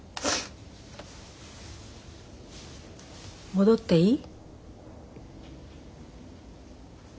戻っていい？